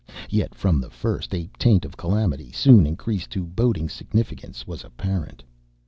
Yet from the first a taint of calamity, soon increased to boding significance, was apparent.